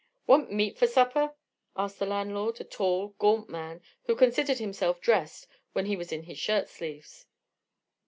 "Want meat fer supper?" asked the landlord, a tall, gaunt man who considered himself dressed when he was in his shirt sleeves.